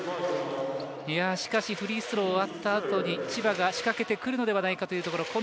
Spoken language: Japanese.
しかし、フリースロー終わったあとに千葉が仕掛けてくるのではないかというところ。